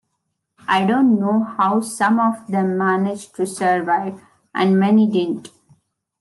I don't know how some of them managed to survive; and many didn't.